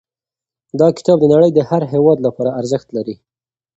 دا کتاب د نړۍ د هر هېواد لپاره ارزښت لري.